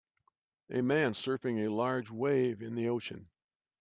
A man surfing a large wave in the ocean.